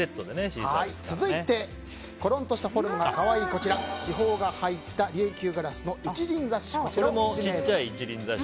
続いて、コロンとしたフォルムが可愛い気泡が入った琉球ガラスの一輪挿し。